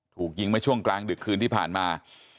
ถูกยิงเมื่อช่วงกลางดึกคืนที่ผ่านมา